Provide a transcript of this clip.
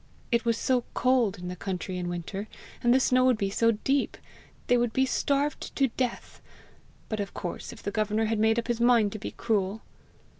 It was so cold in the country in winter, and the snow would be so deep! they would be starved to death! But, of course if the governor had made up his mind to be cruel!